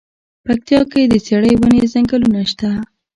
پکتيا کی د څیړۍ ونی ځنګلونه شته دی.